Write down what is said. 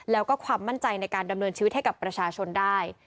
แล้วก็ความมั่นใจในการดำเนินชีวิตให้กับประชาชนได้